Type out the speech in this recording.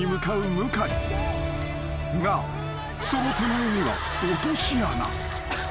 ［がその手前には落とし穴］